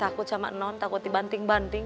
takut sama non takut dibanting banting